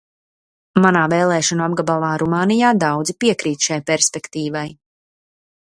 Manā vēlēšanu apgabalā Rumānijā daudzi piekrīt šai perspektīvai.